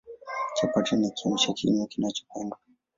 Chapati ni Kiamsha kinywa kinachopendwa